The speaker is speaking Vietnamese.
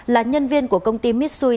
là nhân viên của công ty mitsui